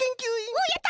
おやった！